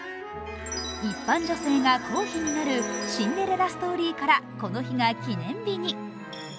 一般女性が公妃になるシンデレラストーリーからこの日が記念日に。